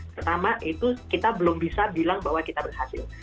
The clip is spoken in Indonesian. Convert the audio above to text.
pertama itu kita belum bisa bilang bahwa kita berhasil